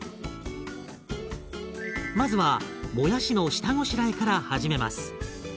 まずはもやしの下ごしらえから始めます。